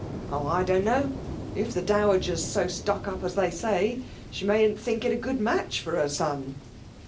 " Oh ! I don't know ! If the dowager's W stuck up us they say, she mayn't think it a good match for her son.